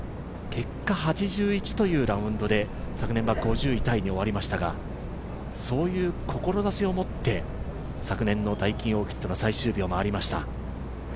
結果８１というラウンドで昨年は５０位タイに終わりましたがそういう志を持って昨年のダイキンオーキッドの最終日を回りました。